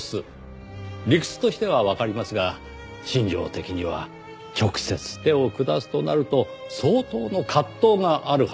理屈としてはわかりますが心情的には直接手を下すとなると相当の葛藤があるはず。